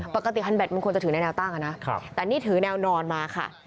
ปกติฮันแบตมันควรจะถือในแววตั้งนะแต่นี่ถือแนวนอนมาค่ะ